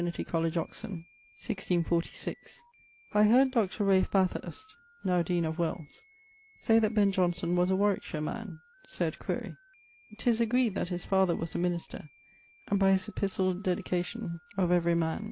Coll. Oxon. 1646, I heard Dr. Ralph Bathurst[E] (now deane of Wells) say that Ben Johnson was a Warwyckshire man sed quaere. 'Tis agreed that his father was a minister; and by his epistle dedicat.[IV.] of 'Every Man